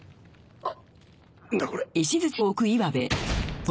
あっ！